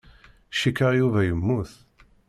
Cikkeɣ Yuba yemmut.